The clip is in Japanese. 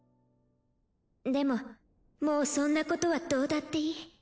でももうそんなことはどうだっていい。